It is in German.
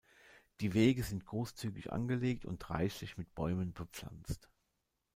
Die Wege sind großzügig angelegt und reichlich mit Bäumen bepflanzt.